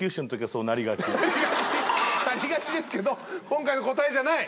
なりがちですけど今回の答えじゃない。